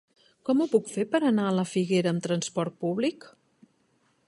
Com ho puc fer per anar a la Figuera amb trasport públic?